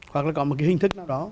hoặc là có một cái hình thức nào đó